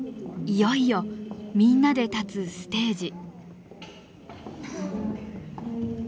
いよいよみんなで立つステージ。